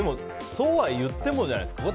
そうは言ってもじゃないですか。